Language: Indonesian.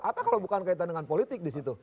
apa kalau bukan kaitan dengan politik di situ